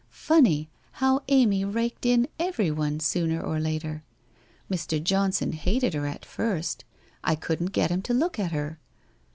Funny, how Amy raked in everyone, sooner or later! Mr. Johnson hated her at first. I couldn't get him to look at her.